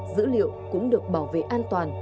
dữ liệu cũng được bảo vệ an toàn